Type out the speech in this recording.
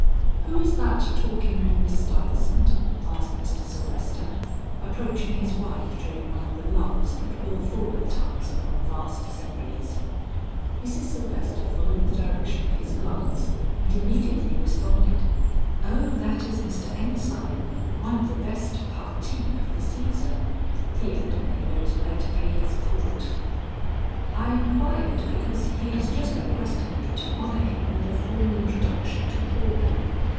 "Who is that talking with Miss Stuyvesant?" asked Mr. Sylvester, approaching his wife during one of the lulls that will fall at times upon vast assemblies. Mrs. Sylvester followed the direction of his glance and immediately responded, "O that is Mr. Ensign, one of the best partis of the season. He evidently knows where to pay his court." "I inquired because he has just requested me to honor him with a formal introduction to Paula."